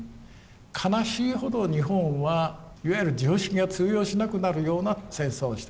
悲しいほど日本はいわゆる常識が通用しなくなるような戦争をした。